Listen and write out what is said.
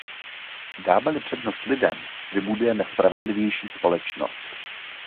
Dáme-li přednost lidem, vybudujeme spravedlivější společnost.